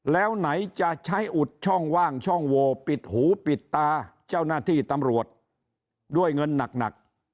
แล้วไหนจะใช้อุดช่องว่างช่องโวปิดหูปิดตาเจ้าหน้าที่ตำรวจด้วยเงินหนัก